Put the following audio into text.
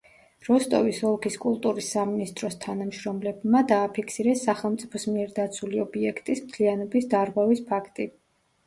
როსტოვის ოლქის კულტურის სამინისტროს თანამშრომლებმა დააფიქსირეს სახელმწიფოს მიერ დაცული ობიექტის მთლიანობის დარღვევის ფაქტი.